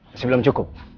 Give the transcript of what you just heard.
masih belum cukup